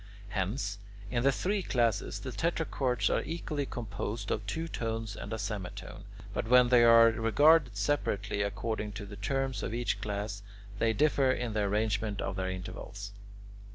Hence, in the three classes, the tetrachords are equally composed of two tones and a semitone, but when they are regarded separately according to the terms of each class, they differ in the arrangement of their intervals.